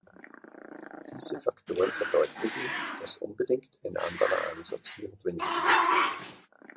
Diese Faktoren verdeutlichen, dass unbedingt ein anderer Ansatz notwendig ist.